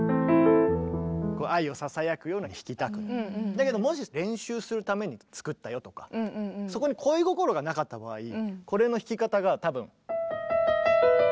だけどもし練習するために作ったよとかそこに恋心がなかった場合これの弾き方が多分。